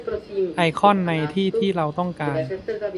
ไอคอนในที่ที่เราต้องการ